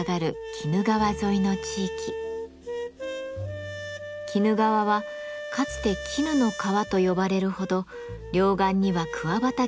鬼怒川はかつて絹の川と呼ばれるほど両岸には桑畑が広がる一大養蚕地でした。